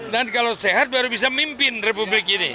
dan kalau sehat baru bisa memimpin republik ini